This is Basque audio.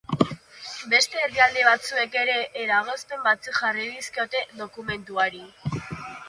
Beste herrialde batzuek ere eragozpen batzuk jarri dizkiote dokumentuari.